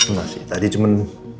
nggak sih tadi cuman